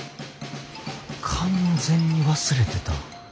完全に忘れてた。